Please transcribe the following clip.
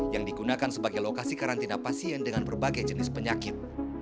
yang digunakan sebagai lokasi karantina pasien dengan berbagai jenis penyakit